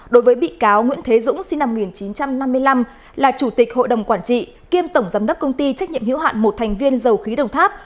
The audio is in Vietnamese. đối với bị cáo nguyễn thế dũng sinh năm một nghìn chín trăm năm mươi năm là chủ tịch hội đồng quản trị kiêm tổng giám đốc công ty trách nhiệm hữu hạn một thành viên dầu khí đồng tháp